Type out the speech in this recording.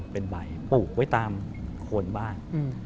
ปลูกไว้ตามโคนบ้าน